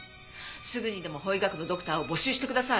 すぐにでも法医学のドクターを募集してください。